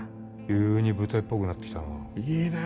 急に舞台っぽくなってきたな。